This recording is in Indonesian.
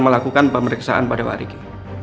lakukan pemeriksaan pada hari ini